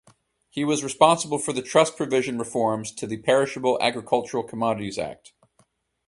He was responsible for the Trust provision reforms to the Perishable Agricultural Commodities Act.